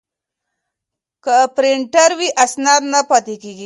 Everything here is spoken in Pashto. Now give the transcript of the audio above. که پرینټر وي نو اسناد نه پاتیږي.